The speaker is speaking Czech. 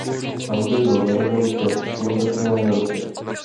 V Anglii byl zařazen ke kulometné rotě.